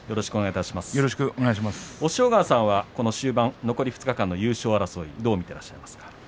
押尾川さんはこの終盤残り２日間の優勝争いどう見てらっしゃいますか。